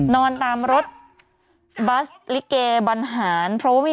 นอนตามรถบัสลิเคบรรหาร